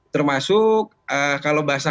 termasuk kalau bahasa